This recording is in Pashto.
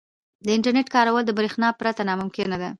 • د انټرنیټ کارول د برېښنا پرته ناممکن دي.